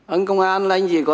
anh công an là anh chỉ có